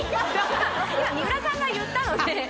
今水卜さんが言ったので。